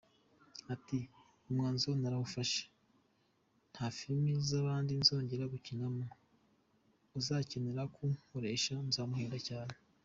Ati “Umwanzuro narawufashe, nta film z’abandi nzongera gukinamo, uzakenera kunkoresha nzamuhenda cyane.